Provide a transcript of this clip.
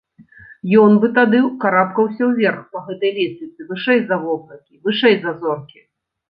Ён бы тады карабкаўся ўверх па гэтай лесвіцы вышэй за воблакі, вышэй за зоркі.